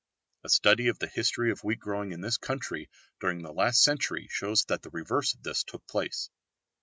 A study of the history of wheat growing in this country during the last century shows that the reverse of this took place.